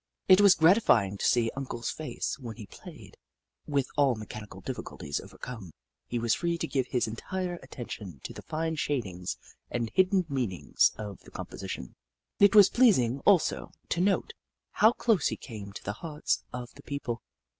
It was gratifying to see Uncle's face when he played. With all mechanical difficulties overcome, he was free to give his entire at tention to the fine shadings and hidden mean ings of the composition. It was pleasing, also, to note how close he came to the hearts of the people.